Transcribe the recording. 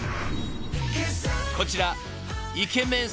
［こちら］